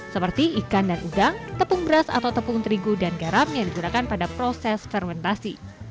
seperti ikan dan udang tepung beras atau tepung terigu dan garam yang digunakan pada proses fermentasi